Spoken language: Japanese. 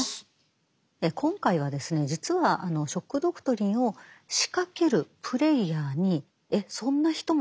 今回は実は「ショック・ドクトリン」を仕掛けるプレイヤーにえっそんな人も？